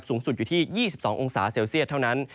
สูงสุดอยู่ที่๒๒องศาเซลเซียตเท่านั้น